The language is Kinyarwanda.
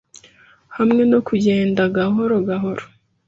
hamwe no kugenda gahoro gahoro